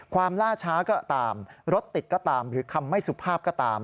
ล่าช้าก็ตามรถติดก็ตามหรือคำไม่สุภาพก็ตาม